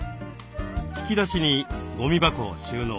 引き出しにゴミ箱を収納。